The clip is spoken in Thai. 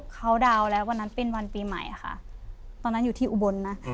เขาอยู่ที่อุบลนะ